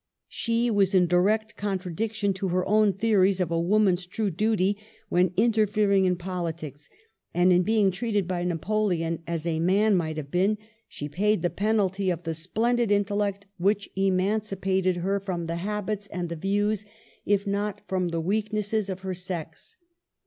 She was in direct contradiction to her own theories of a woman's true duty, when interfering in poli tics ; and in being treated by Napoleon as a man might have been, she paid the penalty of the splendid intellect which emancipated her from Digitized by VjOOQIC 104 MADAME DE STAEL the habits and the views, if not from the weak nesses, of her sex.